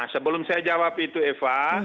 sebelum saya jawab itu eva